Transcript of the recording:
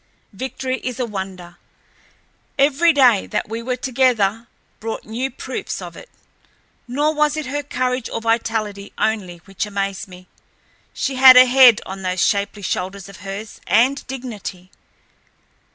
Victory is a wonder. Each day that we were together brought new proofs of it. Nor was it her courage or vitality only which amazed me. She had a head on those shapely shoulders of hers, and dignity!